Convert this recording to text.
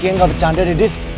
ki yang gak bercanda dedis